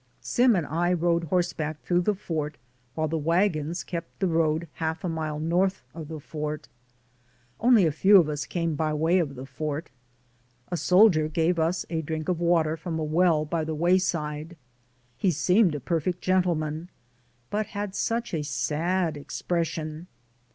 Sim and I rode horseback through the fort while the wagons kept the road half a mile north of the fort. Only a few of us came by 84 DAYS ON THE ROAD. the way of the fort. A soldier gave us a drink of water from a well by the wayside. He seemed a perfect gentleman, but had such a sad expression.